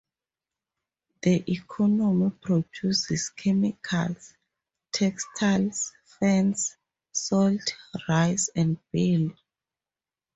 The economy produces chemicals, textiles, fans, salt, rice and barley.